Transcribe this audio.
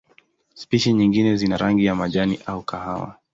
Spishi nyingine zina rangi ya majani au kahawa.